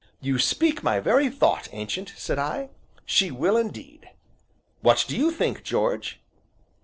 "You speak my very thought, Ancient," said I, "she will indeed; what do you think, George?"